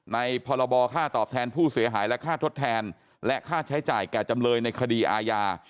พรบค่าตอบแทนผู้เสียหายและค่าทดแทนและค่าใช้จ่ายแก่จำเลยในคดีอาญา